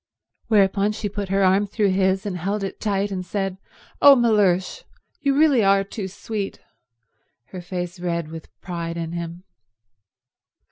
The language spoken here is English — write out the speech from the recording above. Whereupon she put her arm through his and held it tight and said, "Oh, Mellersh, you really are too sweet!"—her face red with pride in him.